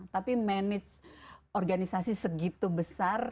tapi manage organisasi segitu besar